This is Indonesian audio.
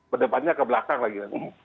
berdepannya ke belakang lagi